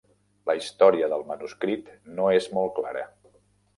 La història del manuscrit no és molt clara.